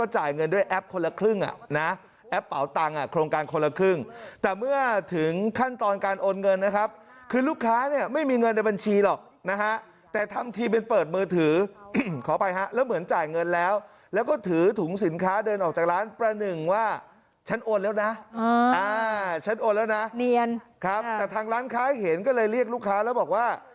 ฉันโอนแล้วนะเนียนครับแต่ทางร้านค้าให้เห็นก็เลยเรียกลูกค้าแล้วบอกว่า